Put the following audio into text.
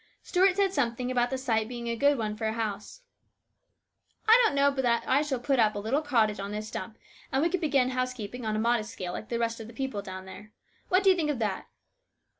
Stuart said something about the site being a good one for a house. " I don't know but that I shall put up a little cottage on this stump, and we could begin house keeping on a modest scale like the rest of the people down there. What do you think of that